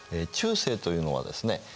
中世というのはですね